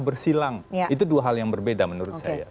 bersilang itu dua hal yang berbeda menurut saya